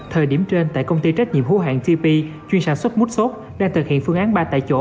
thời điểm trên tại công ty trách nhiệm hữu hạng tp chuyên sản xuất mút xốp đang thực hiện phương án ba tại chỗ